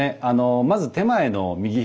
まず点前の右左